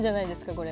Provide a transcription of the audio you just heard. これ。